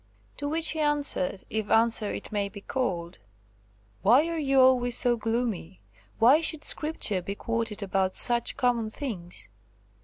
To which he answered, if answer it may be called,–"Why are you always so gloomy? Why should Scripture be quoted about such common things?"